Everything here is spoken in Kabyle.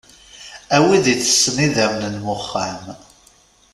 A wid itessen idamen n wuxxam.